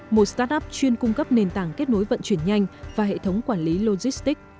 một start up chuyên cung cấp nền tảng kết nối vận chuyển nhanh và hệ thống quản lý logistics